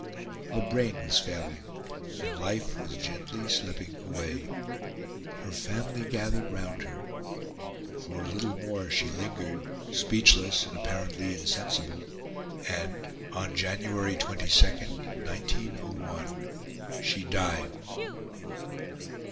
The brain was failing, and life was gently slipping away. Her family gathered round her; for a little more she lingered, speechless and apparently insensible; and, on January 22, 1901, she died.